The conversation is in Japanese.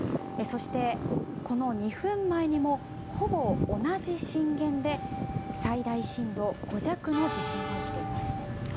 そして、この２分前にもほぼ同じ震源で最大震度５弱の地震が起きています。